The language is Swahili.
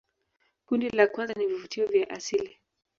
kundi la kwanza ni vivutio vya asili